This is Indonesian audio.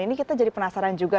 ini kita jadi penasaran juga